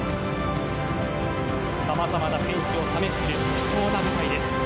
さまざまな選手を試せる貴重な舞台です。